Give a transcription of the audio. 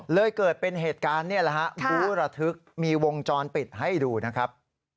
เลยเกิดเป็นเหตุการณ์บูรธึกมีวงจรปิดให้ดูนะครับ